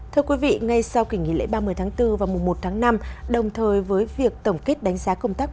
thưa quý vị ngay sau kỳ nghỉ lễ ba mươi tháng bốn và mùa một tháng năm đồng thời với việc tổng kết đánh giá công tác